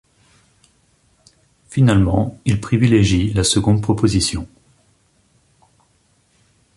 Finalement, ils privilégient la seconde proposition.